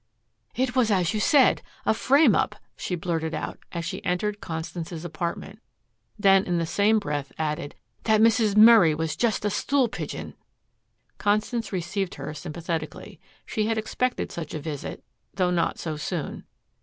"It was as you said, a frame up," she blurted out, as she entered Constance's apartment, then in the same breath added, "That Mrs. Murray was just a stool pigeon." Constance received her sympathetically. She had expected such a visit, though not so soon.